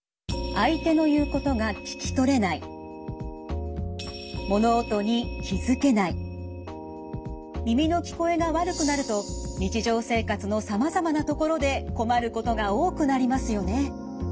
相手の言うことが耳の聞こえが悪くなると日常生活のさまざまなところで困ることが多くなりますよね。